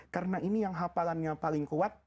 karena ini yang hafalannya paling kuat